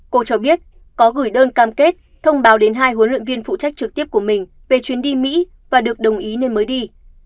cô cho biết có gửi đơn cam kết thông báo đến hai huấn luyện viên phụ trách trực tiếp của mình về chuyến đi mỹ và được đồng ý nên mới đi